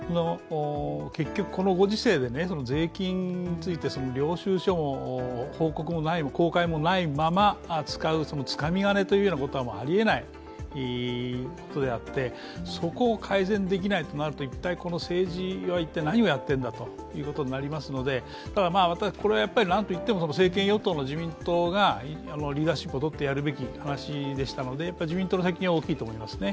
結局、このご時世で税金について領収書も公開もないまま使うつかみ金ということはありえないことであって、そこを改善できないとなると、政治は一体、何をやっているんだということになりますので、これはなんといっても政権与党の自民党がリーダーシップをとってやるべきことなので自民党の責任は大きいと思います。